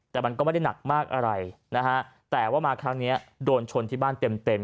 แต่มันก็ไม่ได้หนักมากอะไรนะฮะแต่ว่ามาครั้งนี้โดนชนที่บ้านเต็มเต็ม